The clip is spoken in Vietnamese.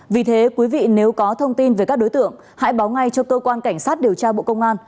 vì thế quý vị nếu có thông tin về các đối tượng hãy báo ngay cho cơ quan cảnh sát điều tra bộ công an